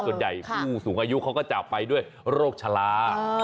ข้อโทษส่วนใหญ่ผู้สูงอายุเขาก็จะไปด้วยโรคชะลา